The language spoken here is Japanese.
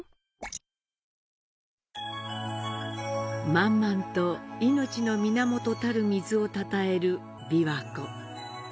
満々と命の源たる水をたたえる琵琶湖。